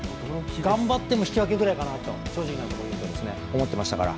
頑張っても引き分けぐらいかなと正直なところ、思ってましたから。